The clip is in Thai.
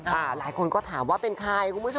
หลายคนก็ถามว่าเป็นใครคุณผู้ชม